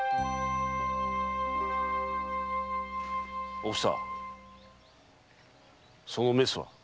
おふさそのメスは？